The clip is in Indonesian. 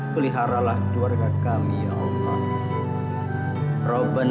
peliharalah keluarga kami ya allah